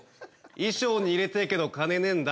衣装に入れてぇけど金ねえんだ。